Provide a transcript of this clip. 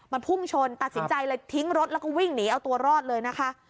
มันพุ่งชนตัดสินใจเลยทิ้งรถแล้วก็วิ่งหนีเอาตัวรอดเลยนะคะ